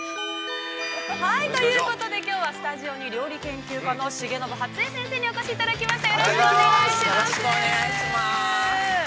◆きょうは料理研究家の重信初江先生にお越しいただきました。